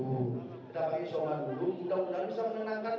kita pakai isoman dulu kita bisa menenangkan pikiran